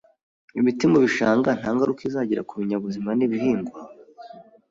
Imiti mu bishanga nta ngaruka izagira ku binyabuzima n'ibihingwa?